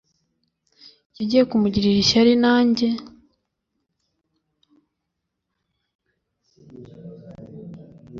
yagiye kumugirira ishyari nanjye